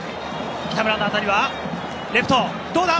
北村の当たりはレフト、どうだ？